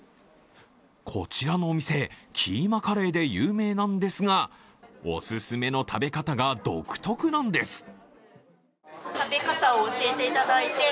こちらのお店、キーマカレーで有名なんですが、おすすめの食べ方が独特なんです。